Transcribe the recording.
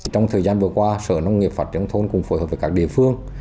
trong thời gian vừa qua sở nông nghiệp phát triển nông thôn cũng phối hợp với các địa phương